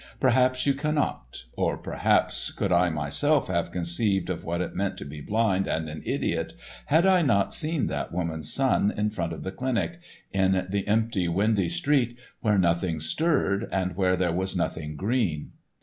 Perhaps you cannot, nor perhaps could I myself have conceived of what it meant to be blind and an idiot had I not seen that woman's son in front of the clinic, in the empty, windy street, where nothing stirred, and where there was nothing green.